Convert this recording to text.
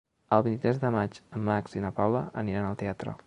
El vint-i-tres de maig en Max i na Paula aniran al teatre.